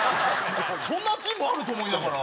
そんなジムある？と思いながら。